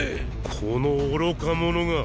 この愚か者が。